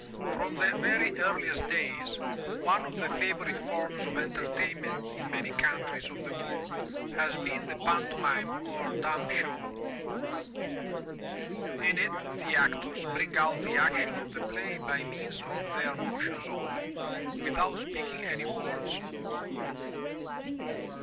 From the very earliest days, one of the favorite forms of entertaimnent in many coimtries of the world has been the panto mime or dumb show. In it the actors bring out the action of the play by means of their motions only, without speaking any words.